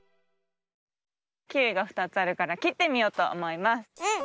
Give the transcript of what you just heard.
キウイが２つあるからきってみようとおもいます。